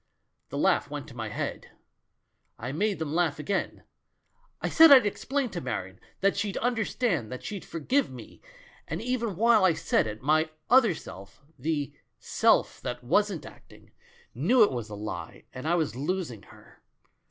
The laugh went to my head — I made them laugh again! I said I'd explain to Marion — that she'd understand, that she'd forgive me — and even while I said it, my other self, the 'self that wasn't acting, knew it was a lie and I was losing her.